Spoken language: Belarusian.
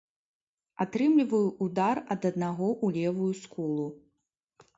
Атрымліваю ўдар ад аднаго ў левую скулу.